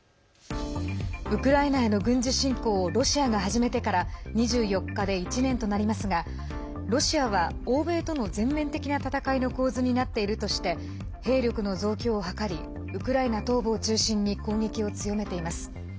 ウクライナへの軍事侵攻をロシアが始めてから２４日で１年となりますがロシアは欧米との全面的な戦いの構図になっているとして兵力の増強を図りウクライナ東部を中心に攻撃を強めています。